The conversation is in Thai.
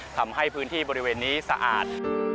ทำให้พื้นที่บริเวณนี้สะอาด